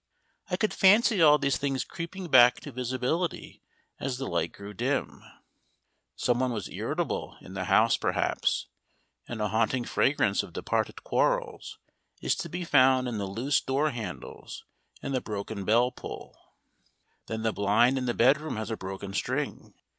I could fancy all these things creeping back to visibility as the light grew dim. Someone was irritable in the house, perhaps, and a haunting fragrance of departed quarrels is to be found in the loose door handles, and the broken bell pull. Then the blind in the bedroom has a broken string.